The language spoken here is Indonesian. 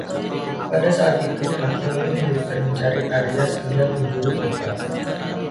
Pada saat itu, patroli militer mencari Arias hingga penjuru kota.